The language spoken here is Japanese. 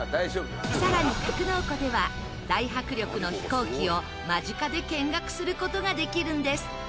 更に格納庫では大迫力の飛行機を間近で見学する事ができるんです。